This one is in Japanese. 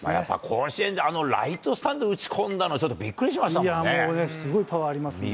甲子園であのライトスタンドに打ち込んだの、ちょっとびっくりしましたもんね。